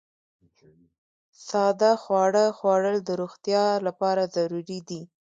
ساده خواړه خوړل د روغتیا لپاره ضروري دي.